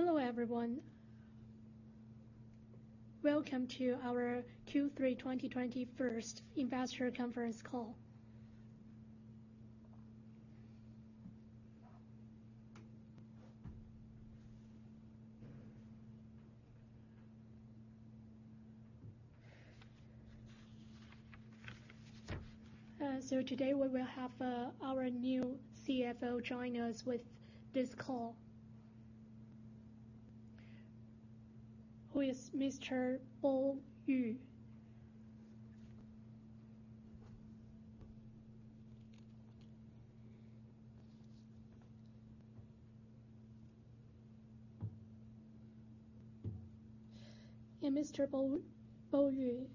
Hello, everyone. Welcome to our Q3 2021 investor conference call. Today we will have our new CFO join us with this call, who is Mr. Po-Wen Yu. Mr. Po-Wen Yu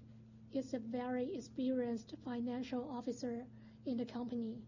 is a very experienced financial officer in the company.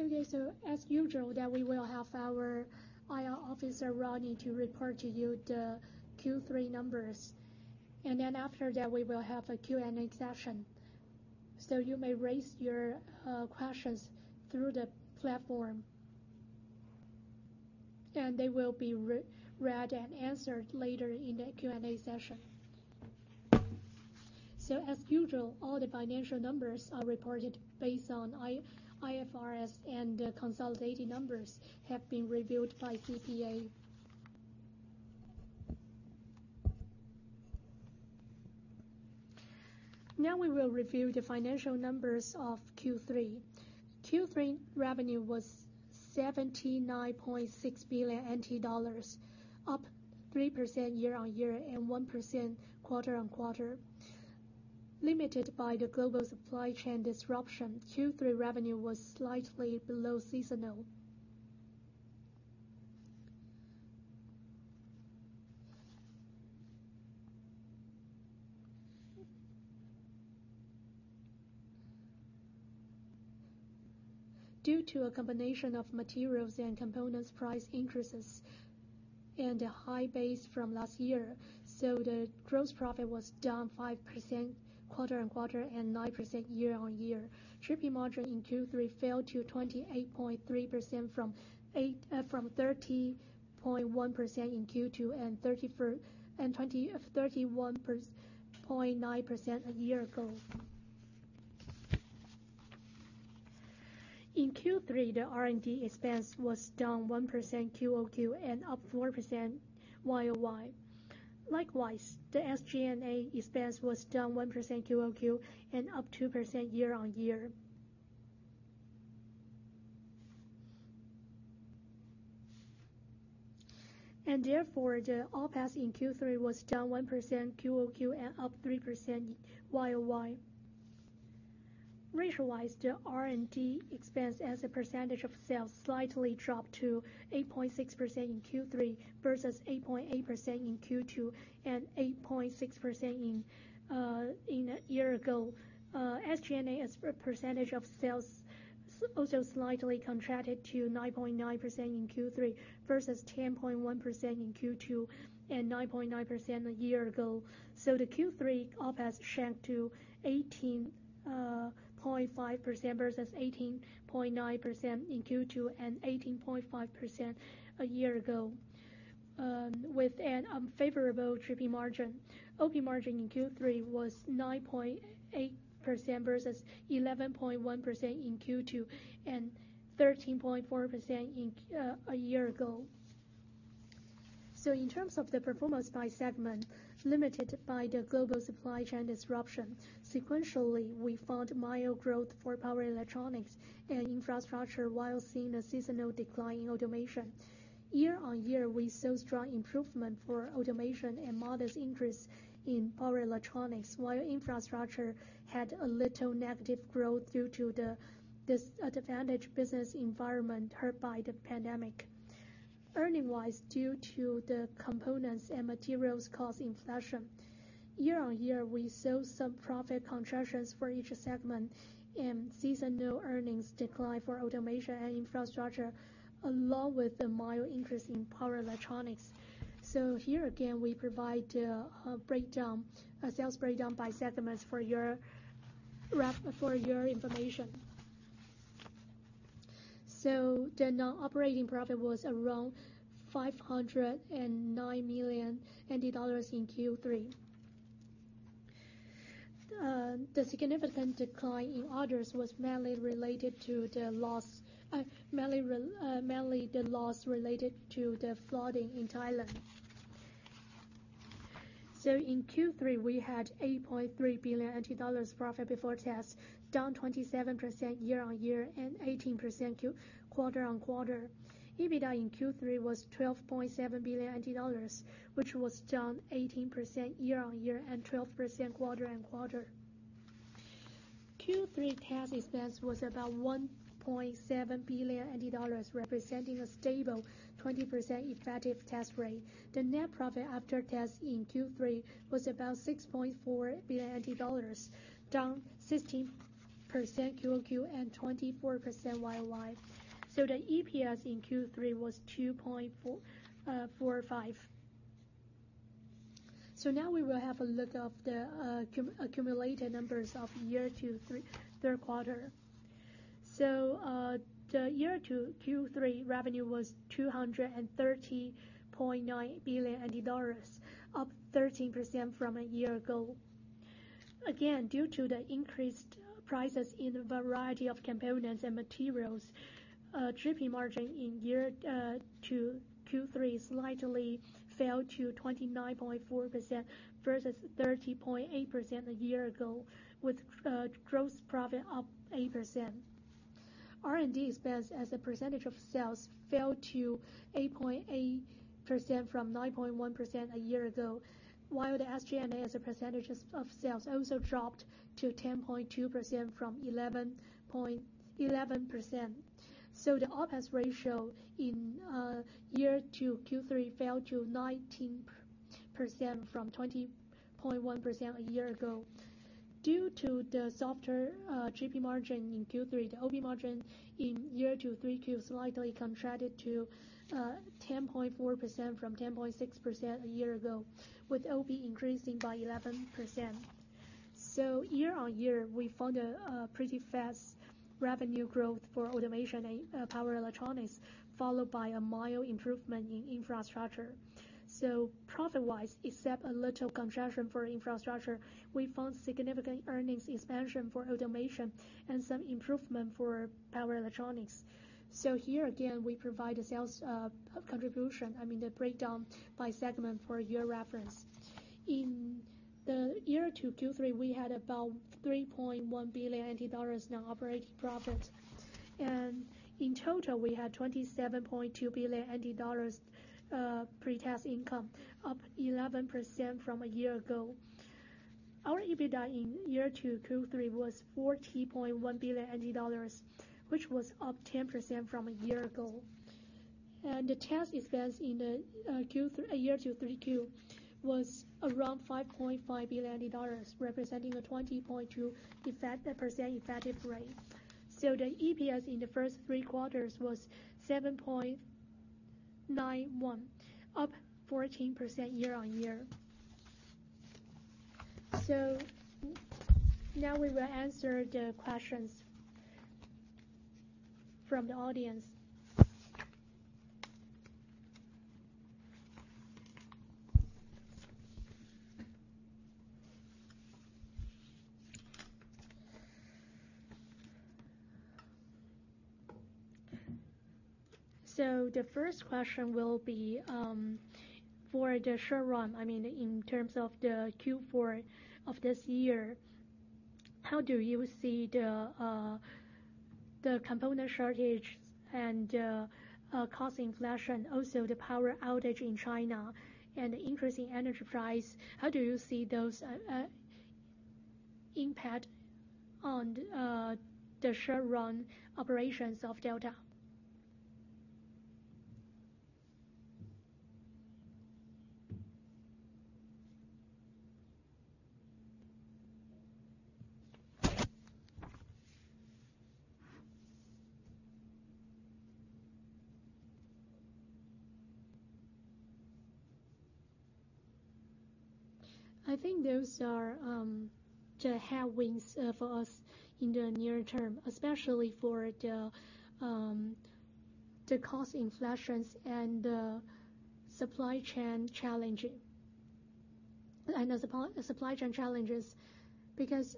Okay. As usual, we will have our IR officer, Rodney, to report to you the Q3 numbers, and then after that, we will have a Q&A session. You may raise your questions through the platform, and they will be reread and answered later in the Q&A session. As usual, all the financial numbers are reported based on IFRS, and the consolidated numbers have been reviewed by CPA. Now we will review the financial numbers of Q3. Q3 revenue was 79.6 billion NT dollars, up 3% year-over-year and 1% quarter-over-quarter. Limited by the global supply chain disruption, Q3 revenue was slightly below seasonal. Due to a combination of materials and components price increases and a high base from last year, the gross profit was down 5% quarter-on-quarter and 9% year-on-year. Gross margin in Q3 fell to 28.3% from 30.1% in Q2 and 31.9% a year ago. In Q3, the R&D expense was down 1% QoQ and up 4% YoY. Likewise, the SG&A expense was down 1% QoQ and up 2% year-on-year. Therefore, the OPEX in Q3 was down 1% QoQ and up 3% YoY. Ratio-wise, the R&D expense as a percentage of sales slightly dropped to 8.6% in Q3 versus 8.8% in Q2 and 8.6% in a year ago. SG&A as a percentage of sales also slightly contracted to 9.9% in Q3 versus 10.1% in Q2 and 9.9% a year ago. Q3 OPEX shrank to 18.5% versus 18.9% in Q2 and 18.5% a year ago, with an unfavorable product mix, OP margin in Q3 was 9.8% versus 11.1% in Q2 and 13.4% in a year ago. In terms of the performance by segment, limited by the global supply chain disruption, sequentially, we found mild growth for Power Electronics and Infrastructure while seeing a seasonal decline in Automation. Year-over-year, we saw strong improvement for Automation and modest increase in Power Electronics, while Infrastructure had a little negative growth due to the disadvantageous business environment hurt by the pandemic. Earnings-wise, due to the components and materials cost inflation, year-over-year, we saw some profit contractions for each segment and seasonal earnings decline for Automation and Infrastructure, along with a mild increase in Power Electronics. Here again, we provide a breakdown, a sales breakdown by segments for your information. The non-operating profit was around 509 million dollars in Q3. The significant decline in others was mainly related to the loss. Mainly the loss related to the flooding in Thailand. In Q3, we had 83 billion dollars profit before tax, down 27% year-on-year and 18% quarter-on-quarter. EBITDA in Q3 was 12.7 billion dollars, which was down 18% year-on-year and 12% quarter-on-quarter. Q3 tax expense was about 1.7 billion dollars, representing a stable 20% effective tax rate. The net profit after tax in Q3 was about 6.4 billion dollars, down 16% QoQ and 24% YoY. The EPS in Q3 was 2.45. Now we will have a look at the accumulated numbers of year-to-third quarter. The year-to-Q3 revenue was 230.9 billion NT dollars, up 13% from a year ago. Again, due to the increased prices in a variety of components and materials, GP margin year-to-date Q3 slightly fell to 29.4% versus 30.8% a year ago, with gross profit up 8%. R&D expense as a percentage of sales fell to 8.8% from 9.1% a year ago, while the SG&A as a percentage of sales also dropped to 10.2% from 11%. The OPEX ratio year-to-date Q3 fell to 19% from 20.1% a year ago. Due to the softer GP margin in Q3, the OP margin year-to-date Q3 slightly contracted to 10.4% from 10.6% a year ago, with OP increasing by 11%. Year-over-year, we found a pretty fast revenue growth for Automation and Power Electronics, followed by a mild improvement in Infrastructure. Profit-wise, except a little contraction for Infrastructure, we found significant earnings expansion for Automation and some improvement for Power Electronics. Here again, we provide a sales contribution, I mean, the breakdown by segment for your reference. Year-to-Q3, we had about 3.1 billion NT dollars non-operating profit. In total, we had 27.2 billion NT dollars pre-tax income, up 11% from a year ago. Our EBITDA year-to-Q3 was TWD 40.1 billion, which was up 10% from a year ago. The tax expense year-to-Q3 was around 5.5 billion dollars, representing a 20.2% effective rate. The EPS in the first three quarters was 7.91, up 14% year-over-year. Now we will answer the questions from the audience. The first question will be, I mean, in terms of the Q4 of this year, how do you see the component shortage and cost inflation, also the power outage in China and the increasing energy price, how do you see those impact on the short-run operations of Delta? I think those are the headwinds for us in the near term, especially for the cost inflations and the supply chain challenges, because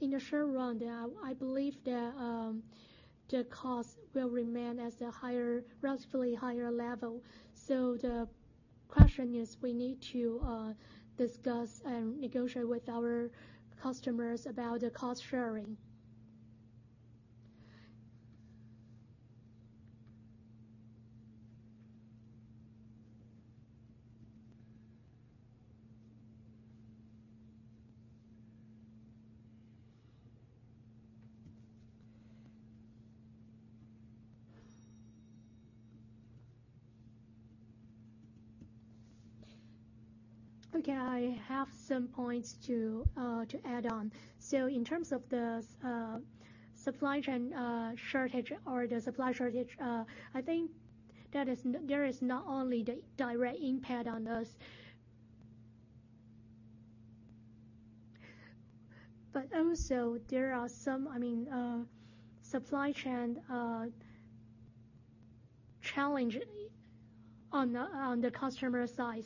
in the short run, I believe the costs will remain at a higher, relatively higher level. The question is we need to discuss and negotiate with our customers about the cost sharing. Okay, I have some points to add on. In terms of the supply chain shortage or the supply shortage, I think that there is not only the direct impact on those. Also, there are some, I mean, supply chain challenge on the customer's side.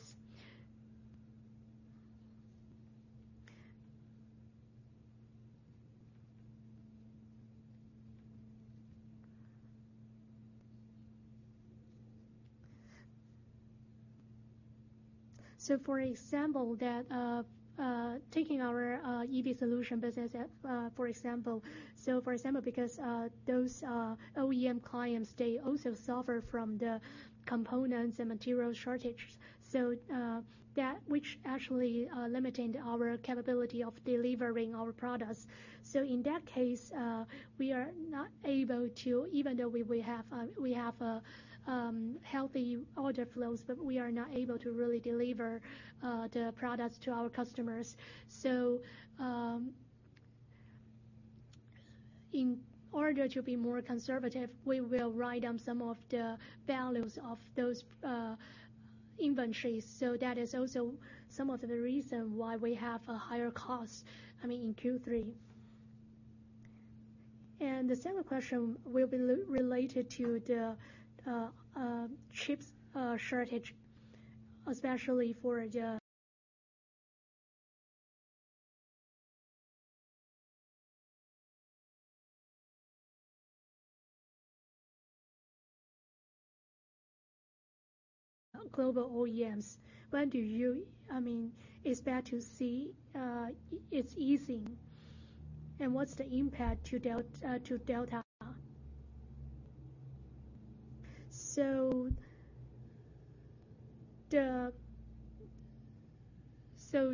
For example, taking our EV solution business, for example. For example, because those OEM clients, they also suffer from the components and material shortages. That which actually limiting our capability of delivering our products. In that case, we are not able to even though we have a healthy order flows, but we are not able to really deliver the products to our customers. In order to be more conservative, we will write down some of the values of those inventories. That is also some of the reason why we have a higher cost, I mean, in Q3. The second question will be related to the chips shortage, especially for the global OEMs. When do you, I mean, expect to see it easing, and what's the impact to Delta?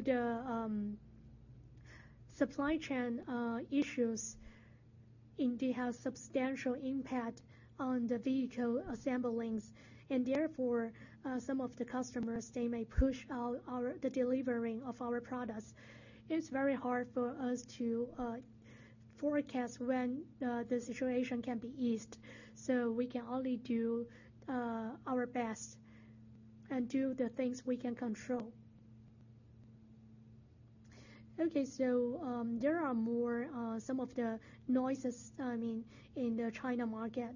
The supply chain issues indeed have substantial impact on the vehicle assembly. Therefore, some of the customers, they may push out our delivering of our products. It's very hard for us to forecast when the situation can be eased. We can only do our best and do the things we can control. Okay. There are more some of the noises, I mean, in the China market,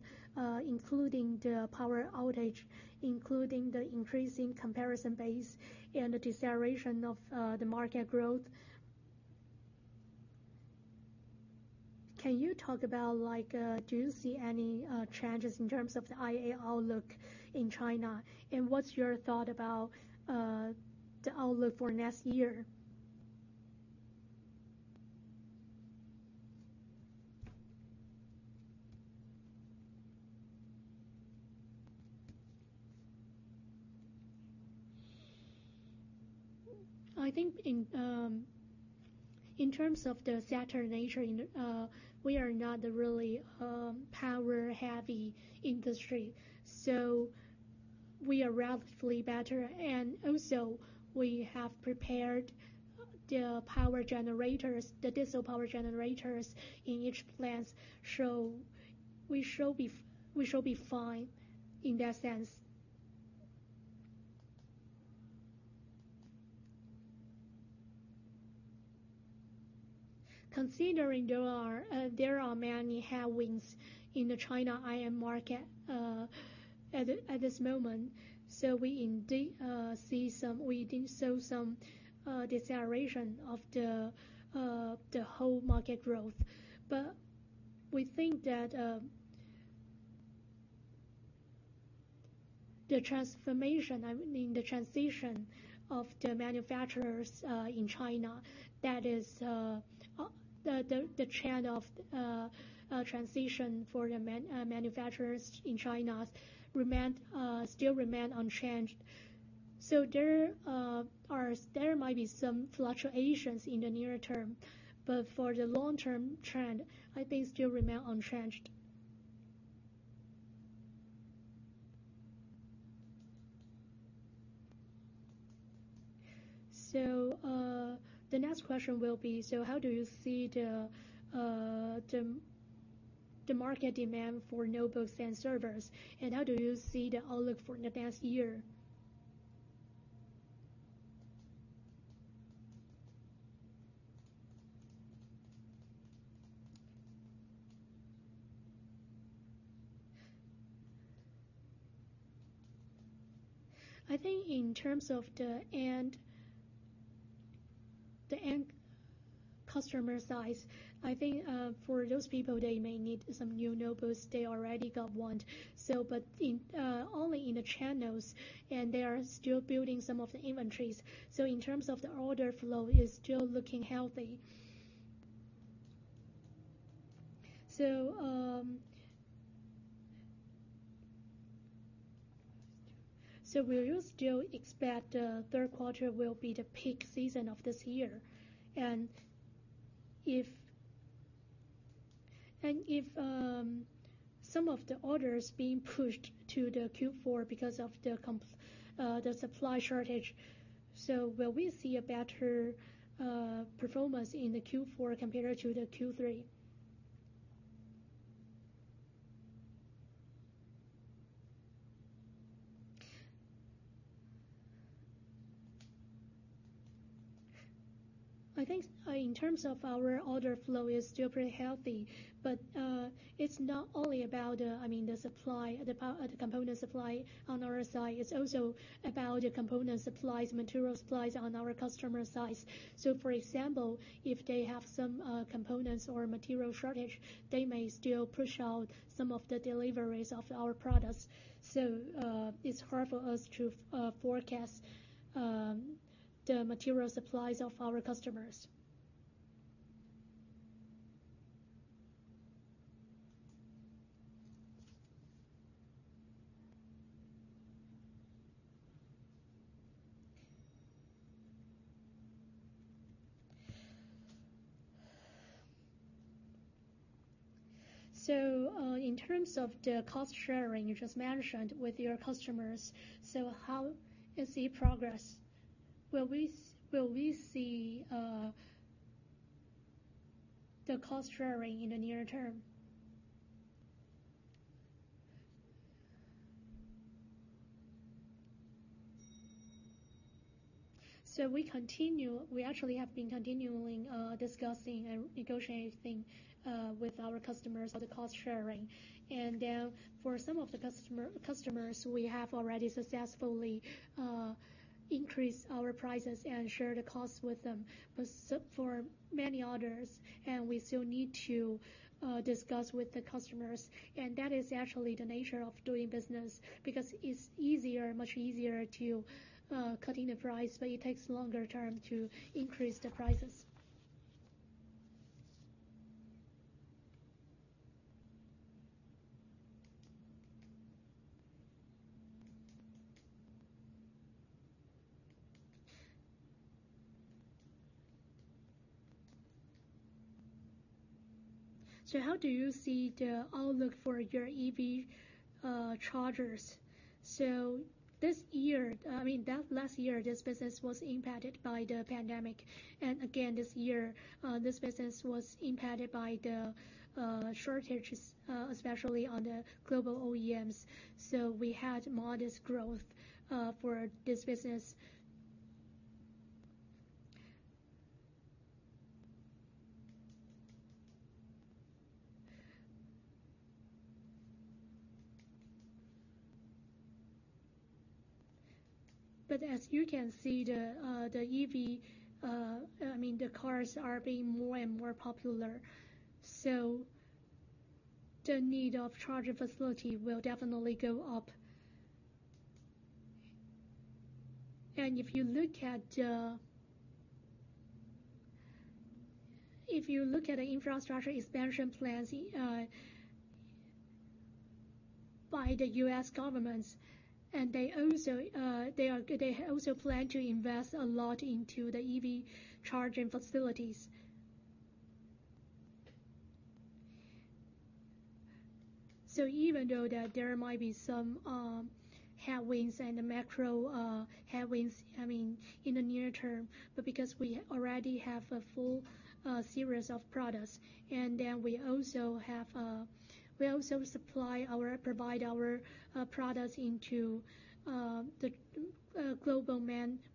including the power outage, including the increasing comparison base and the deceleration of the market growth. Can you talk about like do you see any changes in terms of the IA outlook in China? What's your thought about the outlook for next year? I think in terms of the sector nature we are not a really power-heavy industry, so we are relatively better. Also we have prepared the power generators, the diesel power generators in each plants. We should be fine in that sense. Considering there are many headwinds in the China IM market at this moment. We indeed see some deceleration of the whole market growth. We think that the transformation, I mean, the transition of the manufacturers in China, that is, the trend of transition for the manufacturers in China still remains unchanged. There might be some fluctuations in the near term, but for the long-term trend, I think still remains unchanged. The next question will be: How do you see the market demand for notebooks and servers, and how do you see the outlook for the next year? I think in terms of the end customer size, I think, for those people, they may need some new notebooks. They already got one. But in only in the channels, and they are still building some of the inventories. In terms of the order flow, it's still looking healthy. We will still expect third quarter will be the peak season of this year. If some of the orders being pushed to the Q4 because of the supply shortage. Will we see a better performance in the Q4 compared to the Q3? I think in terms of our order flow is still pretty healthy, but it's not only about the, I mean, the supply, the component supply on our side. It's also about the component supplies, material supplies on our customer's side. For example, if they have some components or material shortage, they may still push out some of the deliveries of our products. It's hard for us to forecast the material supplies of our customers. In terms of the cost sharing you just mentioned with your customers, how is the progress? Will we see the cost sharing in the near term? We actually have been continually discussing and negotiating with our customers on the cost sharing. For some of the customers, we have already successfully increased our prices and shared the cost with them. for many others, and we still need to discuss with the customers, and that is actually the nature of doing business because it's easier, much easier to cutting the price, but it takes longer term to increase the prices. How do you see the outlook for your EV chargers? This year, I mean, that last year, this business was impacted by the pandemic. Again, this year, this business was impacted by the shortages, especially on the global OEMs. We had modest growth for this business. As you can see, the EV, I mean, the cars are being more and more popular. The need of charger facility will definitely go up. If you look at the. If you look at the infrastructure expansion plans by the U.S. governments, and they also plan to invest a lot into the EV charging facilities. Even though there might be some headwinds and the macro headwinds, I mean, in the near term, but because we already have a full series of products, and then we also provide our products into the global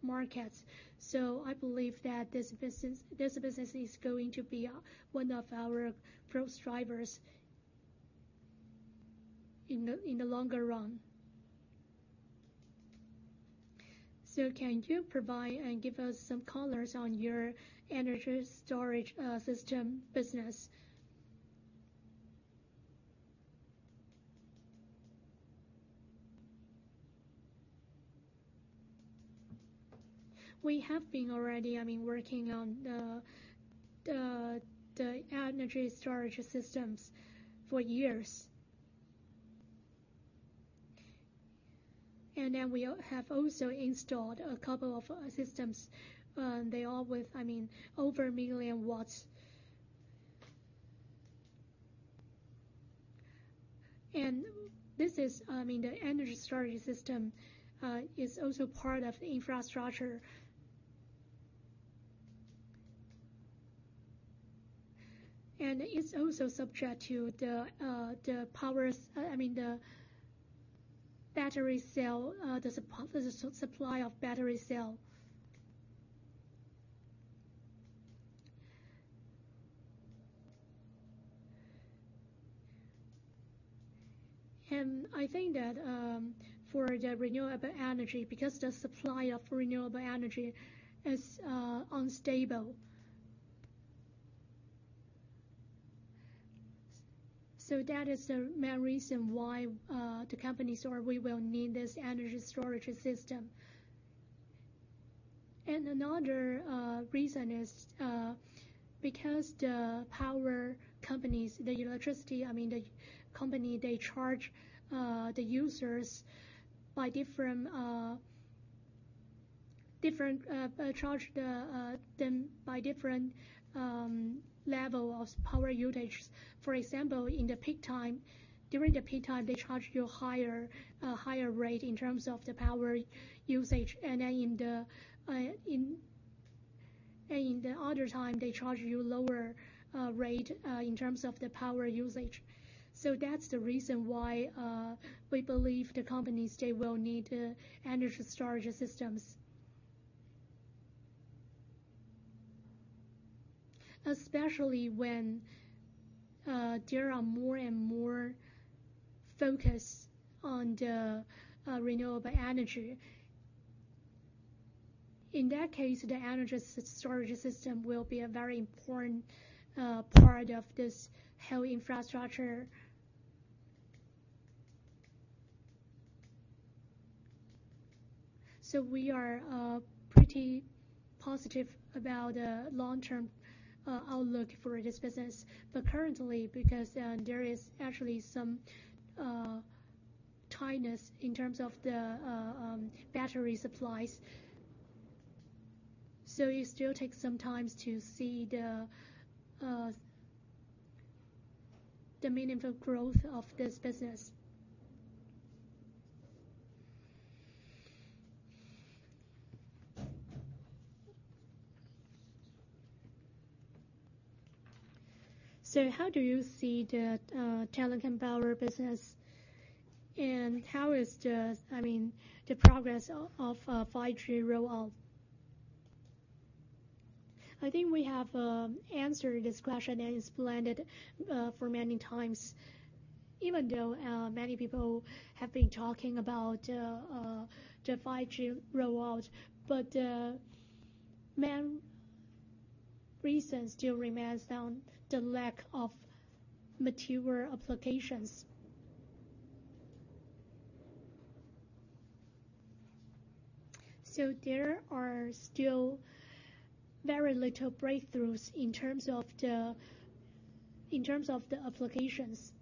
markets. I believe that this business is going to be one of our growth drivers in the longer run. Can you provide and give us some color on your energy storage system business? We have been already, I mean, working on the energy storage systems for years. We have also installed a couple of systems, all with over 1 million W. This is, I mean, the energy storage system is also part of the infrastructure. It's also subject to the battery cell supply. I think that for the renewable energy, because the supply of renewable energy is unstable, that is the main reason why the companies or we will need this energy storage system. Another reason is because the power companies, the electric company, they charge the users by different level of power usage. For example, in the peak time, they charge you higher rate in terms of the power usage. In the other time, they charge you lower rate in terms of the power usage. That's the reason why we believe the companies they will need energy storage systems. Especially when there are more and more focus on the renewable energy. In that case, the energy storage system will be a very important part of this whole infrastructure. We are pretty positive about long-term outlook for this business. Currently, because there is actually some tightness in terms of the battery supplies. It still takes some time to see the meaningful growth of this business. How do you see the telecom power business, and how is the progress of 5G rollout? I think we have answered this question and explained it for many times. Even though many people have been talking about the 5G rollout, main reason still remains on the lack of mature applications. There are still very little breakthroughs in terms of the applications.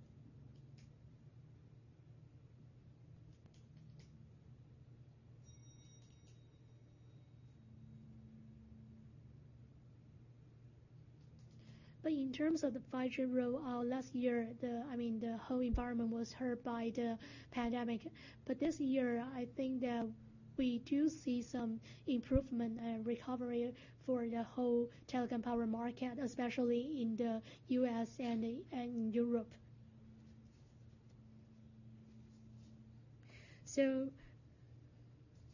In terms of the 5G rollout last year, the whole environment was hurt by the pandemic. This year, I think that we do see some improvement and recovery for the whole telecom power market, especially in the U.S. and Europe.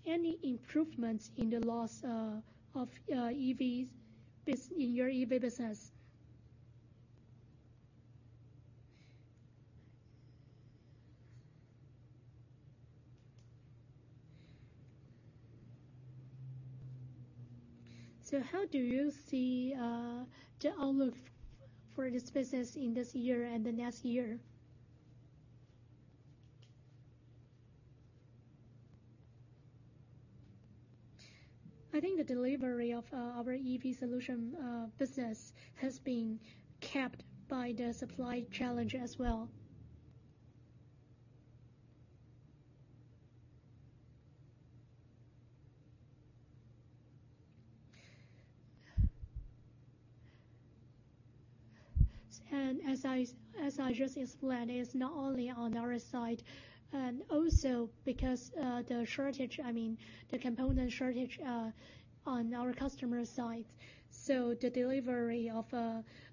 Any improvements in the loss of your EV business? How do you see the outlook for this business in this year and the next year? I think the delivery of our EV solution business has been capped by the supply challenge as well. As I just explained, it's not only on our side, and also because the shortage, I mean, the component shortage on our customer's side. The delivery of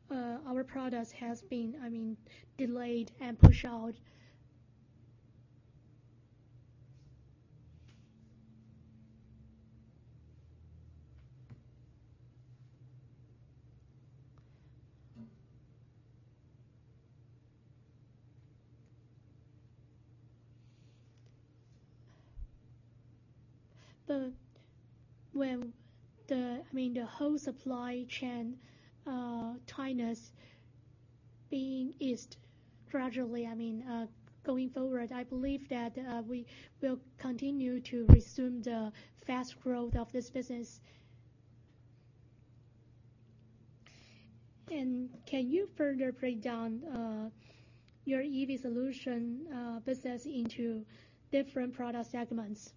our products has been, I mean, delayed and pushed out. When the whole supply chain tightness being eased gradually, I mean, going forward, I believe that we will continue to resume the fast growth of this business. Can you further break down your EV solution business into different product segments?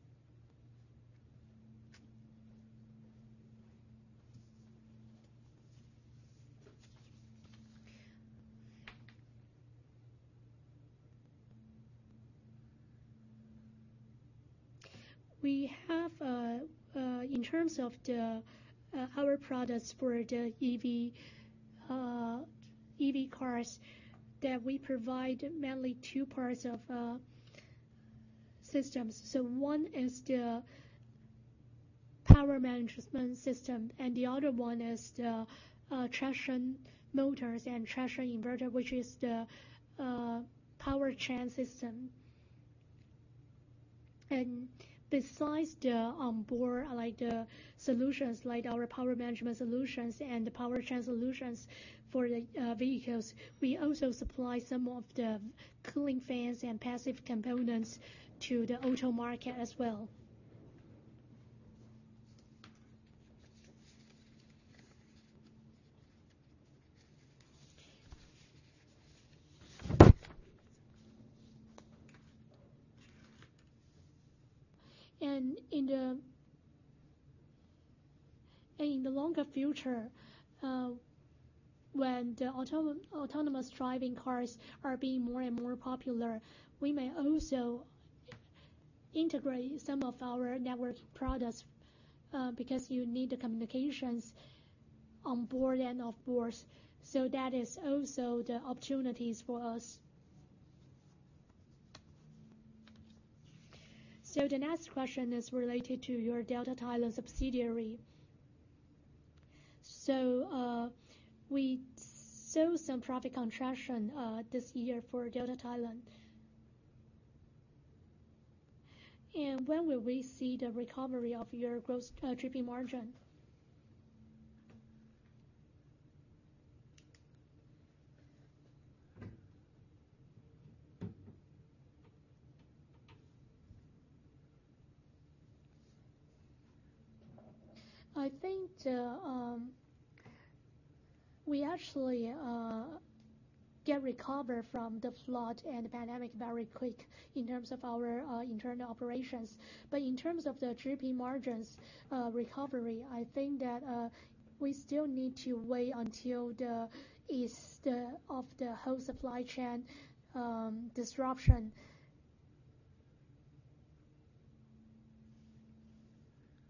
We have in terms of our products for the EV cars that we provide mainly two parts of systems. One is the power management system, and the other one is the traction motors and traction inverter, which is the powertrain system. Besides the onboard solutions, like our power management solutions and the powertrain solutions for the vehicles, we also supply some of the cooling fans and passive components to the auto market as well. In the longer future, when the autonomous driving cars are being more and more popular, we may also integrate some of our network products, because you need the communications on board and off board. That is also the opportunities for us. The next question is related to your Delta Thailand subsidiary. We saw some profit contraction this year for Delta Thailand. When will we see the recovery of your gross GP margin? I think we actually recovered from the flood and the pandemic very quickly in terms of our internal operations. In terms of the GP margins recovery, I think that we still need to wait until the easing of the whole supply chain disruption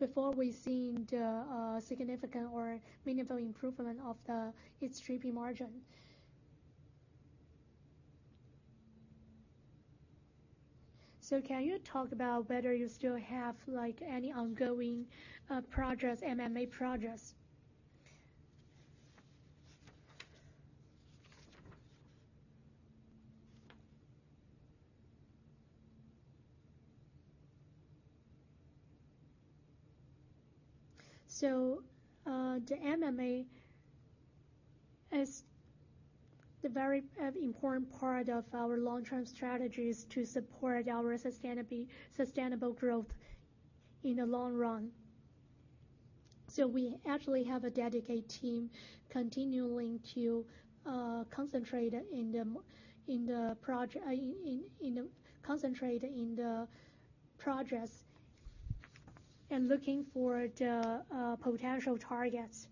before we see the significant or meaningful improvement of its GP margin. Can you talk about whether you still have, like, any ongoing projects, M&A projects? The M&A is the very important part of our long-term strategies to support our sustainable growth in the long run. We actually have a dedicated team continuing to concentrate in the projects and looking for the potential targets.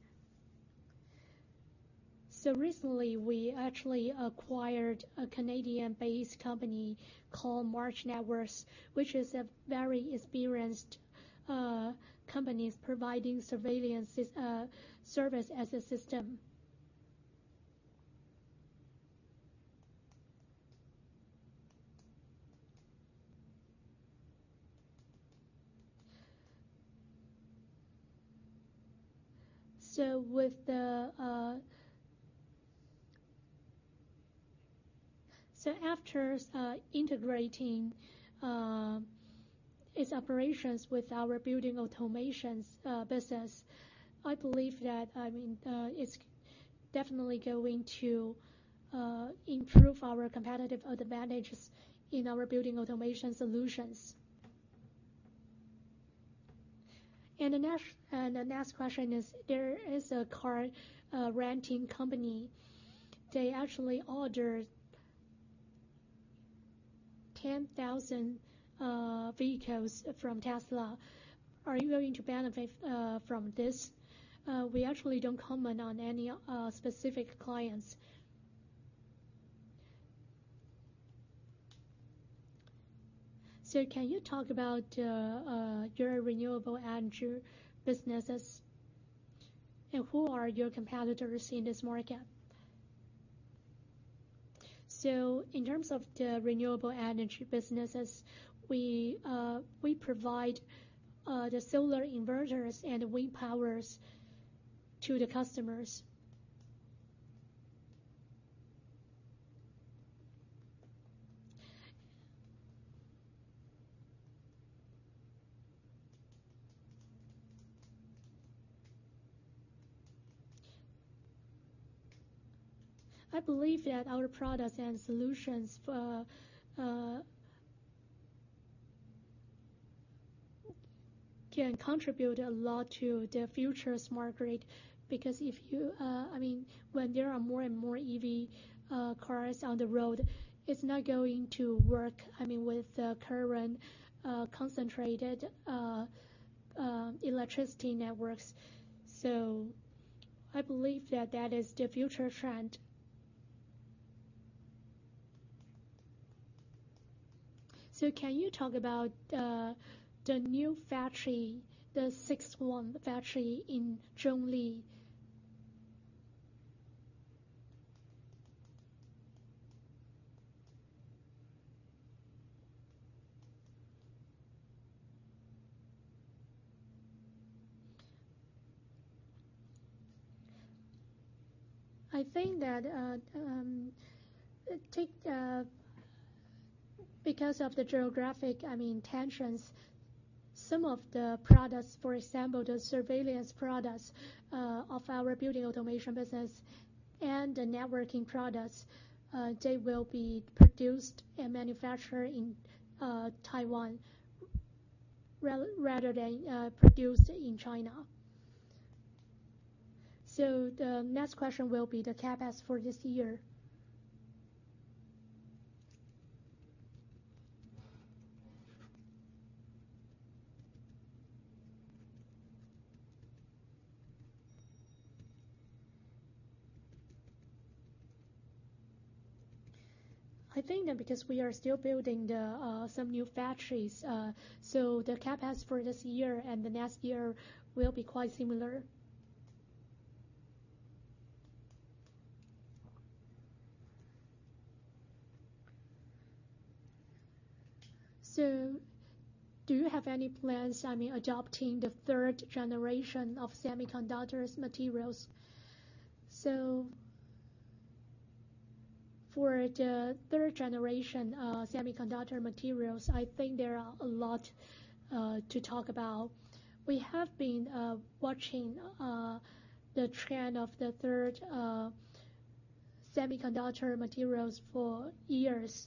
Recently, we actually acquired a Canadian-based company called March Networks, which is a very experienced company providing surveillance systems. After integrating its operations with our building automation business, I believe that, I mean, it's definitely going to improve our competitive advantages in our building automation solutions. The next question is, there is a car renting company, they actually ordered 10,000 vehicles from Tesla. Are you going to benefit from this? We actually don't comment on any specific clients. Can you talk about your renewable energy businesses, and who are your competitors in this market? In terms of the renewable energy businesses, we provide the solar inverters and wind powers to the customers. I believe that our products and solutions can contribute a lot to the future smart grid, because I mean, when there are more and more EV cars on the road, it's not going to work, I mean, with the current concentrated electricity networks. I believe that is the future trend. Can you talk about the new factory, the sixth one, the factory in Zhongli? I think that because of the geopolitical, I mean, tensions, some of the products, for example, the surveillance products of our building automation business and the networking products, they will be produced and manufactured in Taiwan rather than produced in China. The next question will be the CapEx for this year. I think that because we are still building the some new factories, the CapEx for this year and the next year will be quite similar. Do you have any plans, I mean, adopting the third generation of semiconductors materials? For the third generation semiconductor materials, I think there are a lot to talk about. We have been watching the trend of the third generation semiconductor materials for years.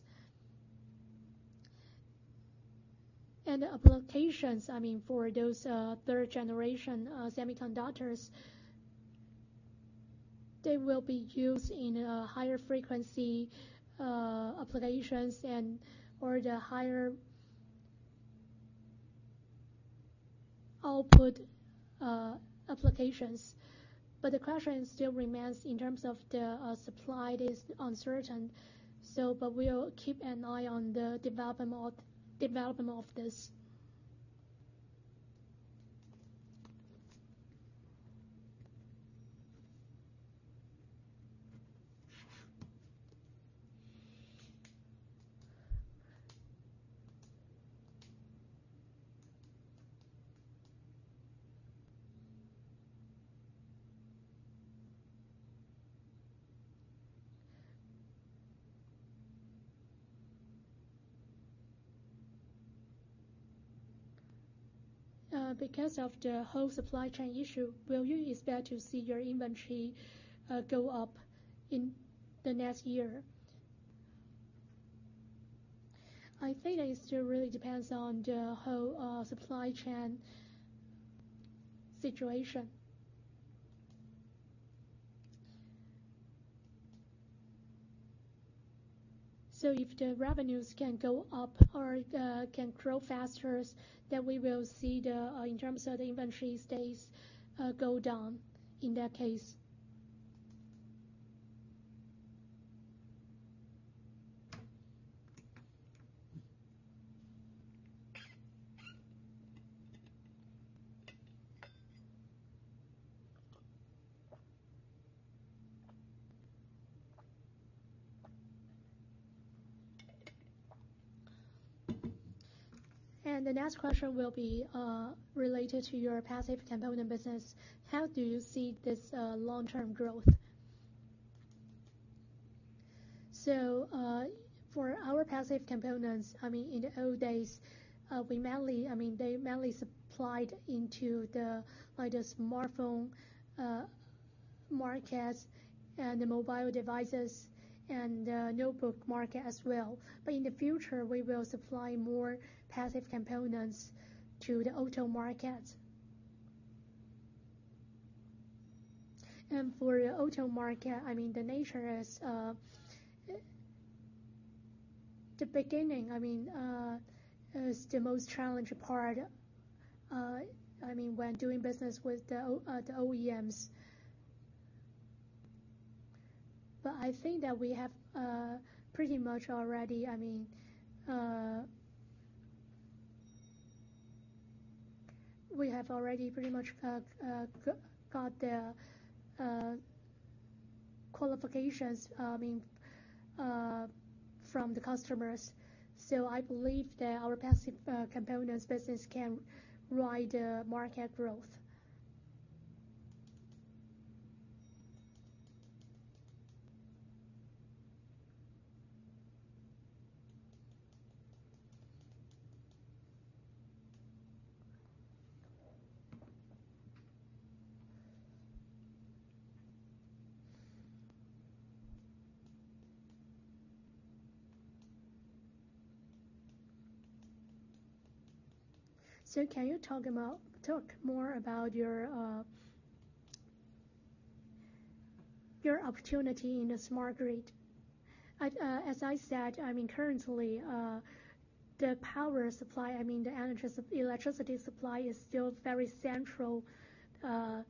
Applications, I mean, for those third generation semiconductors, they will be used in higher frequency applications and/or the higher output applications. The question still remains in terms of the supply is uncertain, but we'll keep an eye on the development of this. Because of the whole supply chain issue, will you expect to see your inventory go up in the next year? I think it still really depends on the whole supply chain situation. If the revenues can go up or can grow faster, then we will see, in terms of the inventory days, go down in that case. The next question will be related to your passive components business. How do you see this long-term growth? For our passive components, I mean, in the old days, we mainly, I mean, they mainly supplied into the, like the smartphone markets and the mobile devices and notebook market as well. In the future, we will supply more passive components to the auto market. For the auto market, I mean, the nature is the beginning is the most challenging part, I mean, when doing business with the OEMs. I think that we have pretty much got the qualifications from the customers. I believe that our passive components business can ride the market growth. Can you talk more about your opportunity in the smart grid? I'd as I said, I mean, currently the electricity supply is still very central in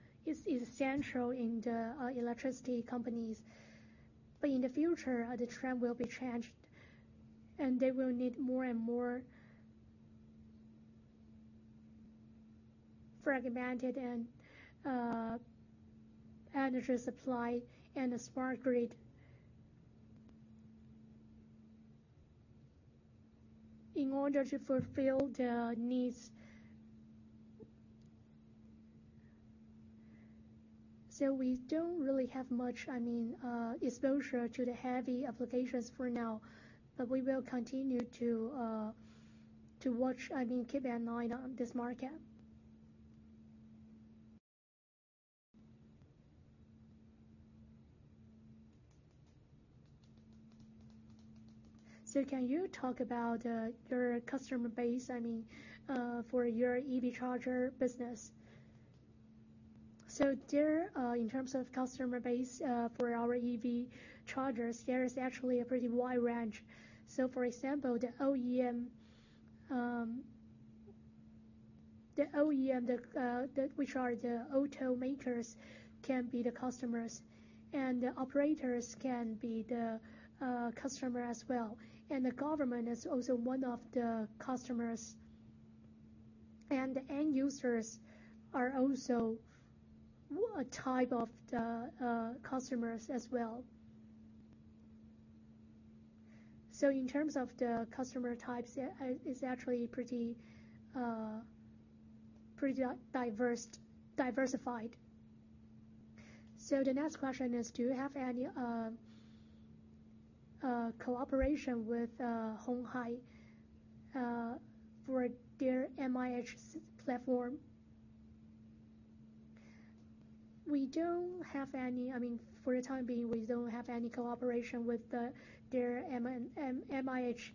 the electricity companies. In the future, the trend will be changed, and they will need more and more fragmented energy supply and a smart grid in order to fulfill the needs. We don't really have much, I mean, exposure to the heavy applications for now, but we will continue to watch, I mean, keep an eye on this market. Can you talk about your customer base, I mean, for your EV charger business? There in terms of customer base for our EV chargers, there is actually a pretty wide range. For example, the OEM, which are the automakers, can be the customers, and the operators can be the customer as well. The government is also one of the customers, and the end users are also a type of the customers as well. In terms of the customer types, it's actually pretty diversified. The next question is, do you have any cooperation with Hon Hai for their MIH platform? We don't have any. I mean, for the time being, we don't have any cooperation with their MIH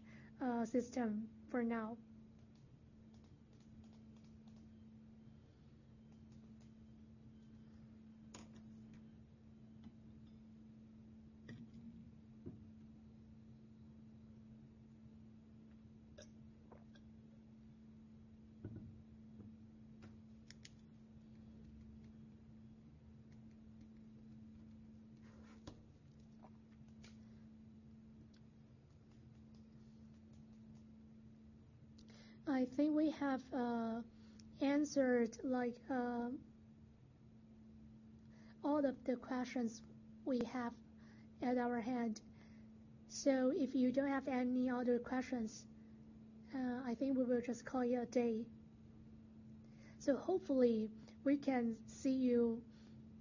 system for now. I think we have answered, like, all of the questions we have at hand. If you don't have any other questions, I think we will just call it a day. Hopefully, we can see you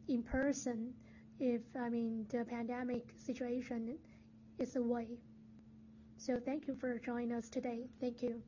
in person if, I mean, the pandemic situation is away. Thank you for joining us today. Thank you.